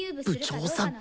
部長さん